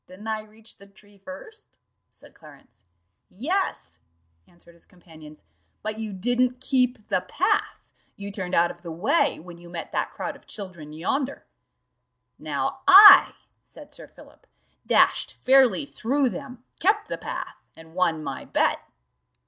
"Didn't I reach the tree first?" said Clarence. "Yes," answered his companions; "but you didn't keep the path. You turned out of the way when you met that crowd of children yonder." "Now I," said Sir Philip, "dashed fairly through them kept the path, and won my bet."